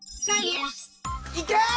いけ！